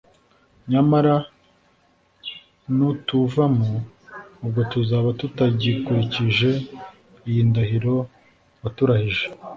nyamara nutuvamo, ubwo tuzaba tutagikurikije iyi ndahiro waturahije.